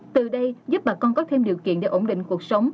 từ đây giúp bà con có thêm điều kiện để ổn định cuộc sống